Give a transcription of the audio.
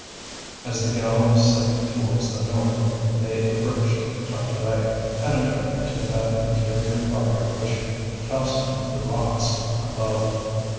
As the galleries sank towards the north, they approached Tartaret, penetrating to that interior fire which calcined the rocks above.